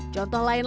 contoh lain lainnya